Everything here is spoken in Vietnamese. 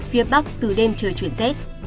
phía bắc từ đêm trời chuyển rét